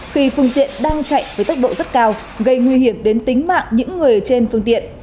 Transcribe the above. khi phương tiện đang chạy với tốc độ rất cao gây nguy hiểm đến tính mạng những người trên phương tiện